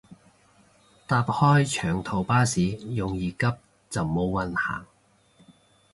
搭開長途巴士容易急就冇運行